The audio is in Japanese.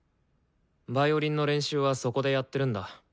ヴァイオリンの練習はそこでやってるんだ。